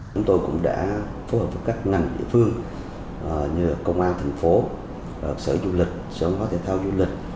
chúng tôi cũng đã phối hợp với các ngành địa phương như công an thành phố sở du lịch sở hóa thể thao du lịch